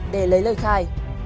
để lấy lời khai